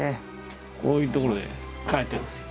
こういう所で描いてるんですよ。